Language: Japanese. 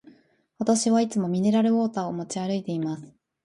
私はいつもミネラルウォーターを持ち歩いています。